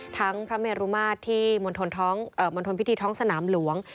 พระเมรุมาตรที่มณฑลพิธีท้องสนามหลวง